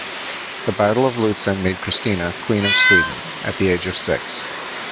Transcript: The battle of Lutzen made Christina Queen of Sweden at the age of six.